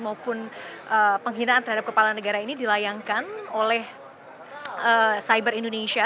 maupun penghinaan terhadap kepala negara ini dilayangkan oleh cyber indonesia